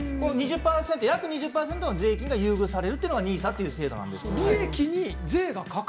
約２０％の税金が優遇されるというのがＮＩＳＡという制度なんです。